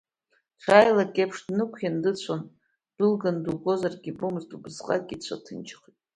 Дшааилак еиԥш днықәианы дыцәон, ддәылганы дугозаргьы ибомызт, убасҟак ицәа ҭынчхеит.